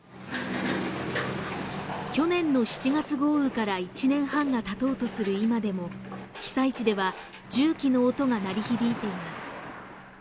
去年の７月豪雨から１年半がたとうとする今でも被災地では重機の音が鳴り響いています。